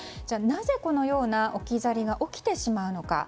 なぜこのような置き去りは起きてしまうのか。